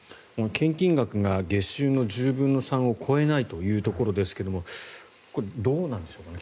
献金額が月収の１０分の３を超えないということですがこれはどうなんでしょうか